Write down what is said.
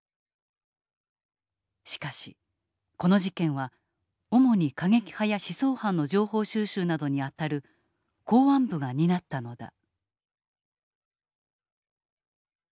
しかしこの事件は主に過激派や思想犯の情報収集などに当たる公安部が担ったのだ。